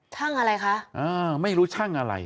อะไรคะอ่าไม่รู้ช่างอะไร